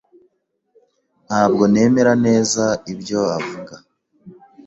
Ntabwo nemera neza ibyo avuga.